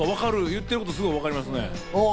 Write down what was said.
言ってること分かります。